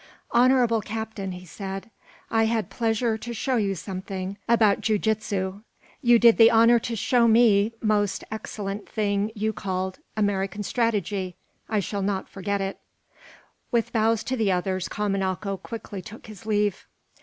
"Honorable Captain," he said, "I had pleasure to show you something about jiu jitsu. You did me honor to show me most excellent thing you called American strategy. I shall not forget it." With bows to the others Kamanako quickly took his leave.